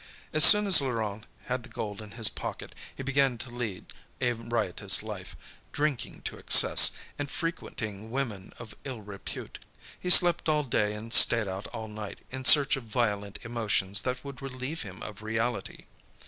As soon as Laurent had the gold in his pocket, he began to lead a riotous life, drinking to excess, and frequenting women of ill repute. He slept all day and stayed out all night, in search of violent emotions that would relieve him of reality.